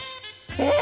えっ！